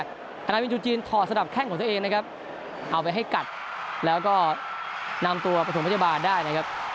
นาวินจูจีนถอดสนับแข้งของตัวเองนะครับเอาไปให้กัดแล้วก็นำตัวประถมพยาบาลได้นะครับ